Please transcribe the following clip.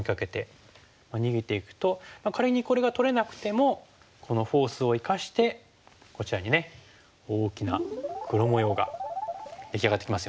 逃げていくと仮にこれが取れなくてもこのフォースを生かしてこちらにね大きな黒模様が出来上がってきますよね。